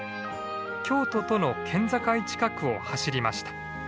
京都との県境近くを走りました。